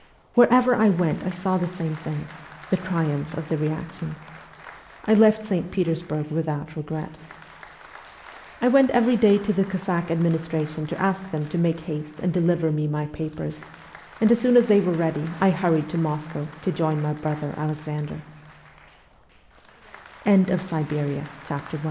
Wherever I went I saw the same thing the triumph of the reaction. I left St. Petersburg without regret. I went every day to the Cossack administration to ask them to make haste and deliver me my papers, and as soon as they were ready I hurried to Mosc